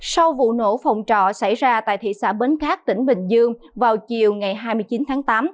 sau vụ nổ phòng trọ xảy ra tại thị xã bến cát tỉnh bình dương vào chiều ngày hai mươi chín tháng tám